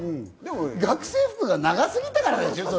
学生服が長すぎたからでしょ？